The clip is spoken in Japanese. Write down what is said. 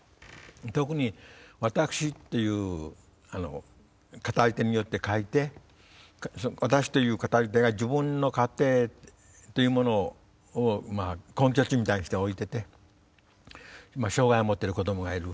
特に「私」っていう語り手によって書いてその「私」という語り手が自分の家庭というものを根拠地みたいにして置いてて障害を持ってる子どもがいる。